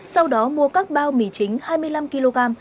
sau đó mua các bao mì chính hai mươi năm kg